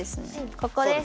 ここです。